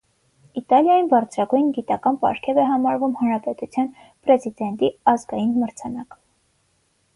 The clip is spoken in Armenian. Իտալիայում բարձրագույն գիտական պարգև է համարվում հանրապետության պրեզիդենտի ազգային մրցանակը։